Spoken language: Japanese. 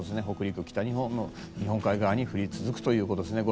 北陸、北日本の日本海側に降り続くということです。